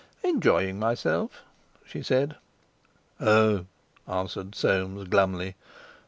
"Enjoying myself," she said. "Oh!" answered Soames glumly.